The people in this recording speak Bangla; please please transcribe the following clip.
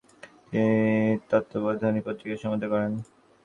তিনি তত্ত্ববোধিনী পত্রিকার সম্পাদনা করেন।